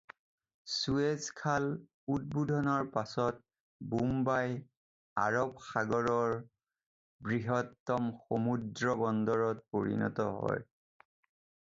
চুৱেজ খাল উদ্বোধনৰ পাছত বোম্বাই আৰব সাগৰৰ বৃহত্তম সমুদ্ৰবন্দৰত পৰিণত হয়।